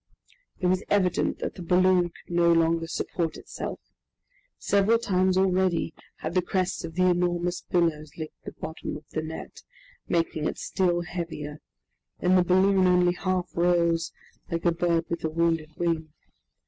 It was evident that the balloon could no longer support itself! Several times already had the crests of the enormous billows licked the bottom of the net, making it still heavier, and the balloon only half rose, like a bird with a wounded wing.